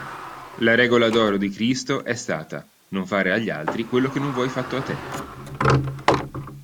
La regola d'oro di Cristo è stata: non fare agli altri quello che non vuoi fatto a te.